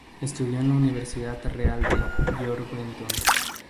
Estudió en la Universidad Real de Georgetown.